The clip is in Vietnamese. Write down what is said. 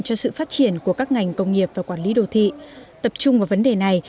cho sự phát triển của các ngành công nghiệp và quản lý đô thị tập trung vào vấn đề này